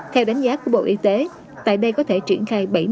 theo đánh giá của bộ y tế tại đây có thể triển khai bệnh nhân covid một mươi chín